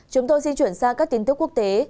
chúng tôi xin chuyển sang các tin tức quốc tế